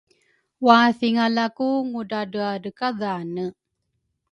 Wathingala ku Ngudradreadrekadhane